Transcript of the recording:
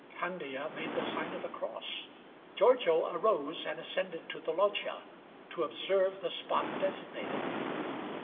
Candia made the sign of the cross. Giorgio arose and ascended to the loggia, to observe the spot designated.